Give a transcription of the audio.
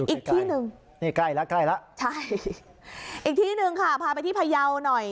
อีกที่หนึ่งใช่อีกที่หนึ่งค่ะพาไปที่พะเยาว์หน่อย